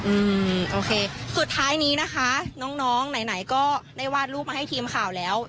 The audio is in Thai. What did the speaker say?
อืมโอเคสุดท้ายนี้นะคะน้องน้องไหนไหนก็ได้วาดรูปมาให้ทีมข่าวแล้ว